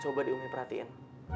coba deh umi perhatiin